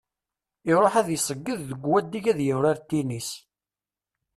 Iṛuḥ ad d-iseyyed deg wadeg ara yurar tinis.